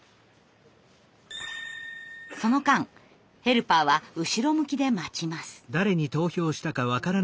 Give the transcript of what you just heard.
その間ヘルパーは後ろ向きで待ちます。